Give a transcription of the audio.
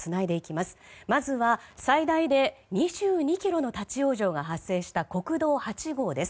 まずは、最大で２２ｋｍの立ち往生が発生した国道８号です。